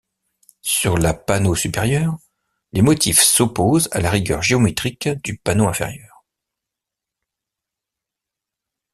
Sur la panneau supérieur, les motifs s'opposent à la rigueur géométrique du panneau inférieur.